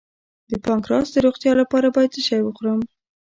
د پانکراس د روغتیا لپاره باید څه شی وخورم؟